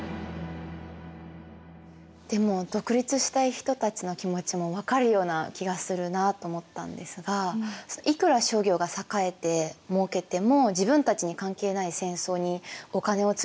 でも独立したい人たちの気持ちも分かるような気がするなと思ったんですがいくら商業が栄えてもうけても自分たちに関係ない戦争にお金をつぎ込まれたら嫌になりますよね。